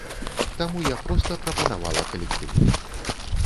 Таму я проста прапанавала калектыву.